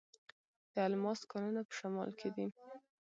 د الماس کانونه په شمال کې دي.